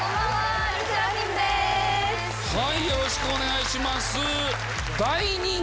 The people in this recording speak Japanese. よろしくお願いします。